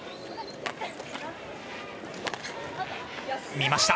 見ました。